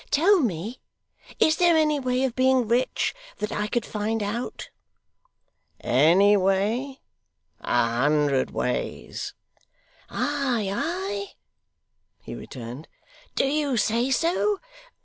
'Tell me. Is there any way of being rich, that I could find out?' 'Any way! A hundred ways.' 'Ay, ay?' he returned. 'Do you say so?